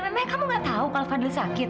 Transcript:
memangnya kamu nggak tahu kalau fadil sakit